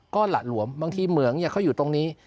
ก็หละหลวมบางทีเหมืองเขาอยู่ตรงนี้